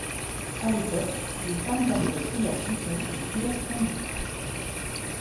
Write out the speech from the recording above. À l'époque, les femmes portaient sous leurs jupons des culottes fendues.